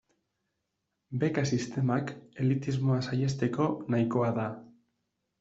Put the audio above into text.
Beka sistemak elitismoa saihesteko nahikoa da.